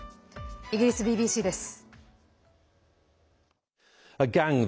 イギリスＢＢＣです。